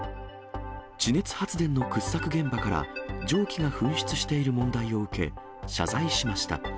地熱発電の掘削現場から蒸気が噴出している問題を受け、謝罪しました。